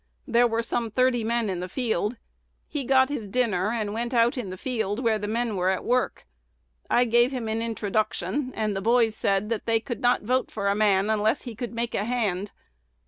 There were some thirty men in the field. He got his dinner, and went out in the field where the men were at work. I gave him an introduction, and the boys said that they could not vote for a man unless he could make a hand.